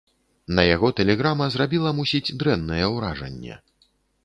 На яго тэлеграма зрабіла, мусіць, дрэннае ўражанне.